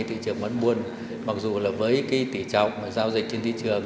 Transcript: thị trường bán buôn mặc dù là với cái tỉ trọng giao dịch trên thị trường